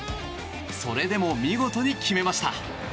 それでも見事に決めました。